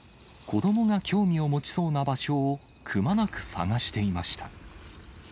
子どもが興味を持ちそうな場所をくまなく捜していました。